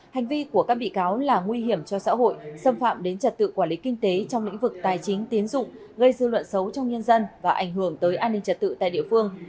hành vi của các bị cáo là nguy hiểm cho xã hội xâm phạm đến trật tự quản lý kinh tế trong lĩnh vực tài chính tiến dụng gây dư luận xấu trong nhân dân và ảnh hưởng tới an ninh trật tự tại địa phương